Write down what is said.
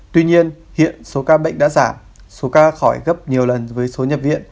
tuy nhiên hiện số ca bệnh đã giảm số ca khỏi gấp nhiều lần với số nhập viện